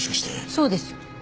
そうです。